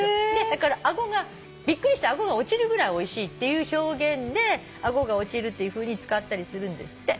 だから「びっくりしてあごが落ちるぐらいおいしい」っていう表現で「あごが落ちる」っていうふうに使ったりするんですって。